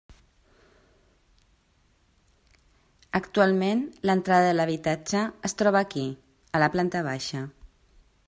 Actualment l'entrada de l'habitatge es troba aquí, a la planta baixa.